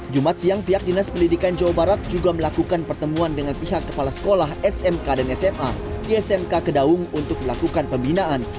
jumat siang pihak dinas pendidikan jawa barat juga melakukan pertemuan dengan pihak kepala sekolah smk dan sma di smk kedaung untuk melakukan pembinaan